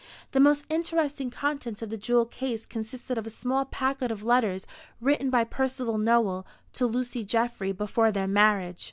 The most interesting contents of the jewel case consisted of a small packet of letters written by Percival Nowell to Lucy Geoffry before their marriage.